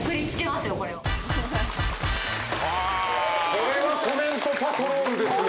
これはコメントパトロールですね。